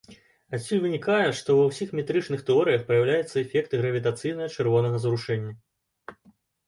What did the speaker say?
Адсюль вынікае, што, ва ўсіх метрычных тэорыях праяўляецца эфект гравітацыйнага чырвонага зрушэння.